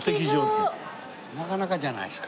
なかなかじゃないですか。